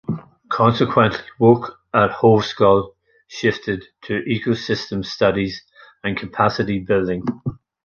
Consequently, work at Hovsgol shifted to ecosystem studies and capacity building.